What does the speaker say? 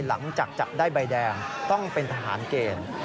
หลังจากจับได้ใบแดงต้องเป็นทหารเกณฑ์